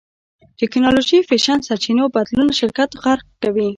ټېکنالوژي فېشن سرچينو بدلون شرکت غرق کوي.